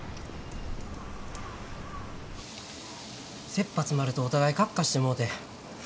せっぱ詰まるとお互いカッカしてもうて。